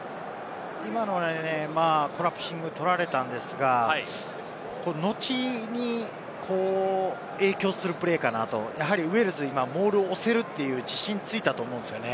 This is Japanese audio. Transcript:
今のでコラプシングを取られたんですが、後に影響するプレーかなと、やはりウェールズ、今モールを押せるという自信がついたと思うんですよね。